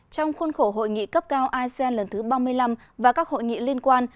trong khuôn khổ hội nghị cấp cao asean lần thứ ba mươi năm và các hội nghị liên quan